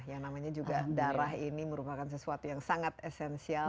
yang namanya juga darah ini merupakan sesuatu yang sangat esensial